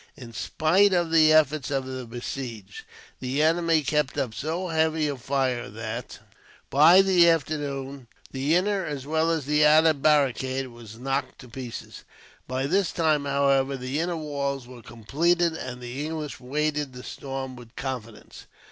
In spite of the efforts of the besieged, the enemy kept up so heavy a fire that, by the afternoon, the inner as well as the outer barricade was knocked to pieces. By this time, however, the inner walls were completed, and the English awaited the storm with confidence.